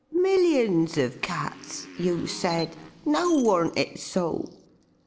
"'Millions of cats,' you said; now worn't it so?"